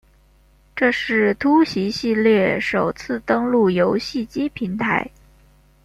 这是突袭系列首次登陆游戏机平台。